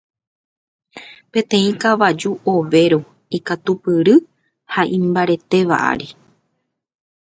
Peteĩ kavaju ovéro ikatupyry ha imbaretéva ári.